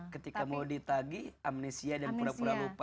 ketika mau ditagi amnesia dan pura pura lupa